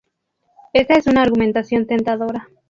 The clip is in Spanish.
Esta es una argumentación tentadora.